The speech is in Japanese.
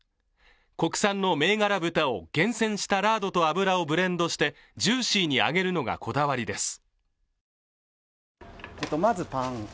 国産の銘柄豚を厳選したラードと油をブレンドして、ジューシーに揚げるのがこだわりです。